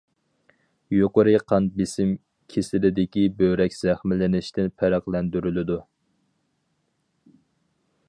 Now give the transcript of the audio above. يۇقىرى قان بېسىم كېسىلىدىكى بۆرەك زەخىملىنىشتىن پەرقلەندۈرۈلىدۇ.